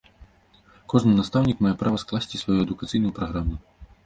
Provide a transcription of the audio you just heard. Кожны настаўнік мае права скласці сваю адукацыйную праграму.